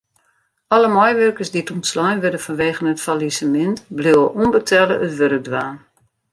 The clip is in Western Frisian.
Alle meiwurkers dy't ûntslein wurde fanwegen it fallisemint bliuwe ûnbetelle it wurk dwaan.